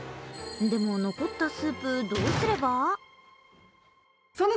でも、残ったスープどうすれば？